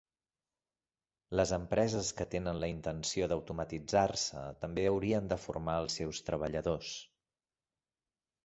Les empreses que tenen la intenció d'automatitzar-se també haurien de formar els seus treballadors.